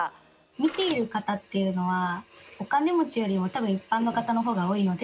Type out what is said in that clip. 見ている方っていうのはお金持ちよりも多分一般の方のほうが多いので。